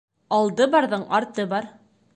Алды барҙың арты бар.